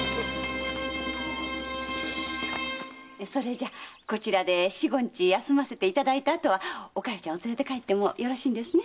それじゃこちらで四五日休ませていただいた後はお加代ちゃんを連れて帰ってもよろしいんですね？